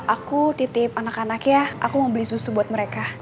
aku titip anak anaknya aku mau beli susu buat mereka